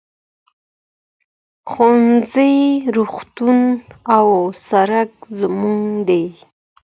ښوونځی، روغتون او سرک زموږ دي.